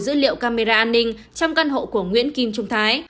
dữ liệu camera an ninh trong căn hộ của nguyễn kim trung thái